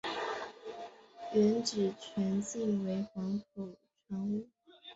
原址全境为黄埔船坞。